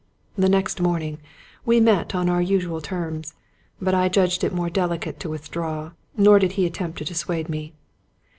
The next morning, we met on our usual terms; but I judged it more delicate to withdraw; nor did he attempt to dissuade me.